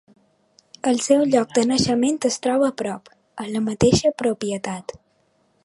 El seu lloc de naixement es troba a prop, a la mateixa propietat.